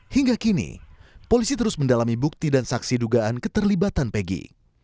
hingga kini polisi terus mendalami bukti dan saksi dugaan keterlibatan pegi